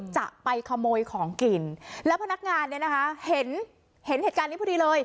จะไปขโมยของกินแล้วพนักงานเนี่ยนะคะเห็นเห็นเหตุการณ์นี้พอดีเลย